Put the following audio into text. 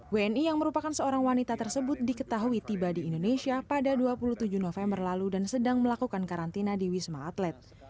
wni yang merupakan seorang wanita tersebut diketahui tiba di indonesia pada dua puluh tujuh november lalu dan sedang melakukan karantina di wisma atlet